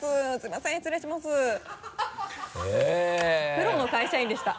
プロの会社員でした。